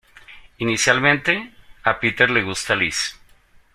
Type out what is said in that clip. Inicialmente, a Peter le gusta Liz.